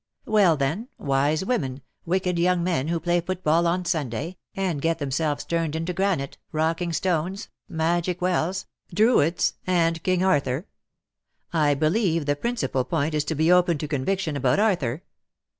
'^" Well, then, wise women — wicked young men who play football on Sunday, and get themselves turned into granite — rocking stones — magic wells — Druids — and King Arthur. I believe the principal point is to be open to conviction about Arthur.